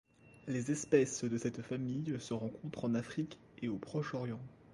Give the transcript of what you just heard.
Les espèces de cette famille se rencontrent en Afrique et au Proche-Orient.